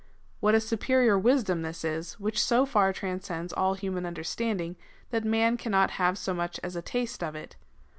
What a suj)erior wisdom^ this is, which so far transcends all human understanding, that man cannot have so much as a taste of it